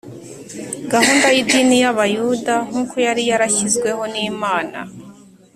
Gahunda y’idini y’Abayuda, nkuko yari yarashyizweho n’Imana